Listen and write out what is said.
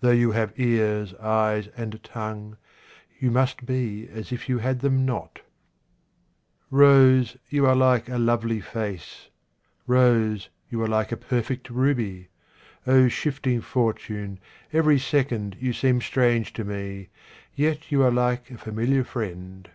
Though you have cars, eyes, and tongue, you must be as if you had them not. 63 QUATRAINS OF OMAR KHAYYAM ROSE, you are like a lovely face. Rose, you are like a perfect ruby. O shifting fortune, every second you seem strange to me, yet you are like a familiar friend.